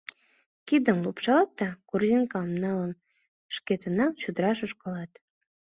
Кидым лупшалат да, корзинкам налын, шкетынак чодраш ошкылат.